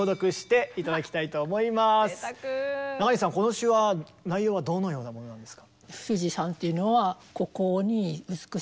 中西さんこの詩は内容はどのようなものなんですか？